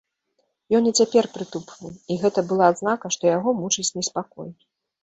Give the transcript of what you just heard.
Ён і цяпер прытупваў, і гэта была адзнака, што яго мучыць неспакой.